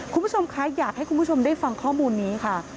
คุณผู้ชมคะอยากให้คุณผู้ชมได้ฟังข้อมูลนี้ค่ะ